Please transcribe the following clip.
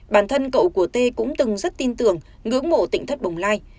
bản thân cậu của tê cũng từng rất tin tưởng ngưỡng mộ tỉnh thất bồng lai